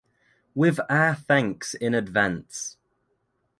With our thanks in advance.